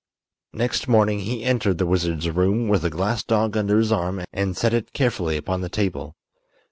Next morning he entered the wizard's room with the glass dog under his arm and set it carefully upon the table.